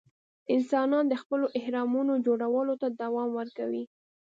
انسانان د خپلو اهرامونو جوړولو ته دوام ورکوي.